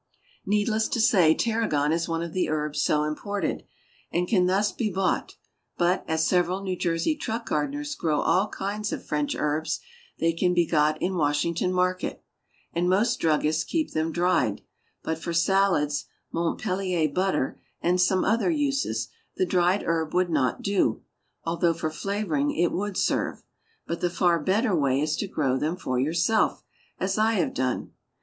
Needless to say tarragon is one of the herbs so imported, and can thus be bought; but, as several New Jersey truck gardeners grow all kinds of French herbs, they can be got in Washington Market, and most druggists keep them dried; but for salads, Montpellier butter, and some other uses, the dried herb would not do, although for flavoring it would serve; but the far better way is to grow them for yourself, as I have done.